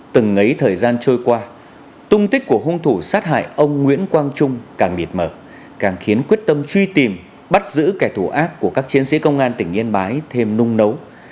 từng ấy thời gian trôi qua tung tích của hung thủ sát hại ông nguyễn quang trung càng mệt mỏ càng khiến quyết tâm truy tìm bắt giữ kẻ thù ác của các chiến sĩ công an tỉnh yên bái thêm nung nấu